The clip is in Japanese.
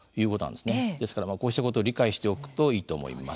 ですからこうしたことを理解しておくといいと思います。